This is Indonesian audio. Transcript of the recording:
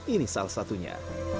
ini salah satunya